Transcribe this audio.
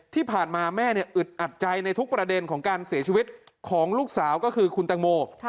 ที่ผ่านมาแม่อึดอัดใจในทุกประเด็นของการเสียชีวิตของลูกสาวก็คือคุณตังโม